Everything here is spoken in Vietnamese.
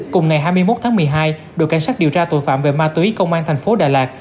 cùng ngày hai mươi một tháng một mươi hai đội cảnh sát điều tra tội phạm về ma túy công an thành phố đà lạt